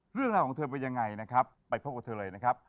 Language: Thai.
เรื่องราวของเธอเป็นยังไงนะครับไปพบกับเธอเลยนะครับ